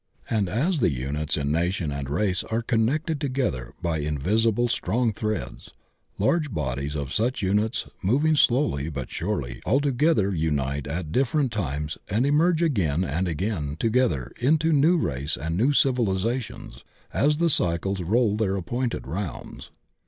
And as the units in nation and race are connected together by invisible strong threads, large bodies of such units moving slowly but surely all together reunite at differ ent times and emerge again and again together into new race and new civilization as the cycles roll their appointed rounds.